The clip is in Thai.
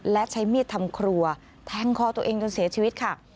และใช้มีดทำครัวแทงคอตัวเองจนเสียชีวิตค่ะ